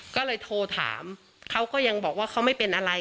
ก็เลยโทรถามเขาก็ยังบอกว่าเขาไม่เป็นอะไร